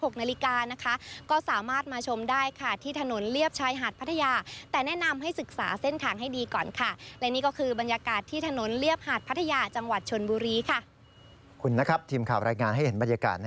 คุณนะครับทีมข่าวรายงานให้เห็นบรรยากาศในขณะนี้นะครับ